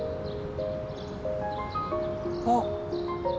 あっ。